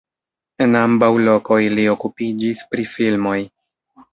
En ambaŭ lokoj li okupiĝis pri filmoj.